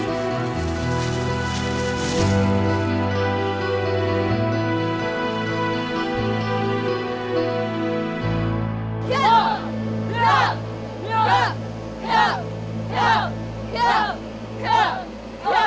bungkus semuanya ya semuanya ya semuanya saya beli semuanya